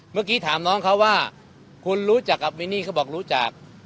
เมื่อกี้ถามน้องเขาว่าคุณรู้จักกับมินนี่เขาบอกรู้จัก